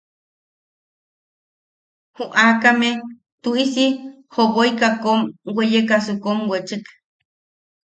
Ju aakame tuʼisi joboika kom weyekasu kom wechek.